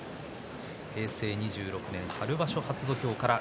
平成２６年、春場所、初土俵。